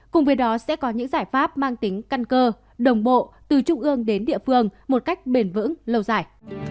cùng với đó sẽ có những giải pháp mang tính căn cơ đồng bộ từ trung ương đến địa phương một cách bền vững lâu dài